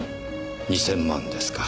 ２０００万ですか。